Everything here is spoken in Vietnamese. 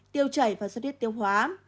tiêu chảy và suốt thiết tiêu hóa